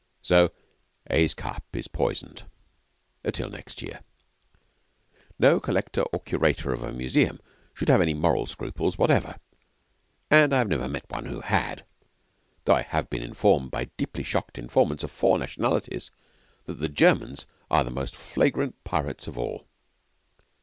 So A's cup is poisoned till next year. No collector or curator of a museum should have any moral scruples whatever; and I have never met one who had; though I have been informed by deeply shocked informants of four nationalities that the Germans are the most flagrant pirates of all.